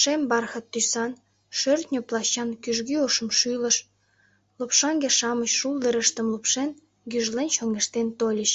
Шем бархат тӱсан, шӧртньӧ плащан кӱжгӱ ошымшӱлыш, лопшаҥге-шамыч шулдырыштым лупшен, гӱжлен чоҥештен тольыч.